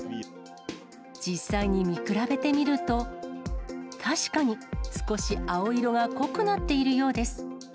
実際に見比べてみると、確かに少し青色が濃くなっているようです。